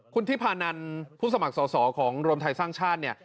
คุณที่พานันทร์ผู้สมัครส่อของโรมไทยสร้างชาติ